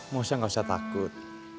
mosya gak usah takut